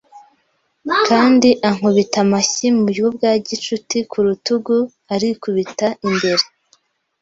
Kandi ankubita amashyi mu buryo bwa gicuti ku rutugu, arikubita imbere